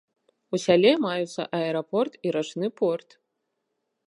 У сяле маюцца аэрапорт і рачны порт.